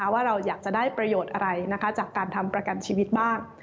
ว่าเราอยากจะได้ประโยชน์อะไรจากการทำประกันชีวิตบ้าง